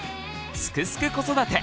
「すくすく子育て」